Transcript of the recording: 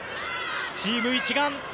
チーム一丸